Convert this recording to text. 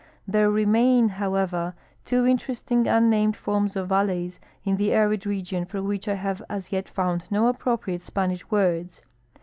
There remain, however, two interesting unnamed forms of valleys in the arid region for which I have as yet found no appropriate Spanish Avords.